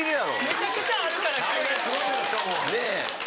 めちゃくちゃあるから。ねぇ。